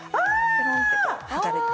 ペロンってこう剥がれて。